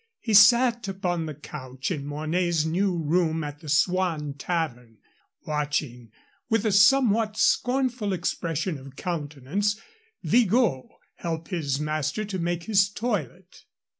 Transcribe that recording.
He sat upon the couch in Mornay's new room at the Swan Tavern, watching with a somewhat scornful expression of countenance Vigot help his master to make his toilet.